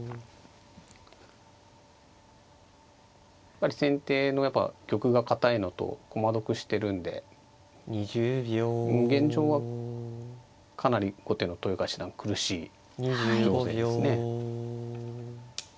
やっぱり先手の玉が堅いのと駒得してるんで現状はかなり後手の豊川七段苦しい情勢ですね。